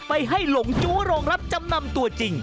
ไปให้หลงจู้โรงรับจำนำตัวจริง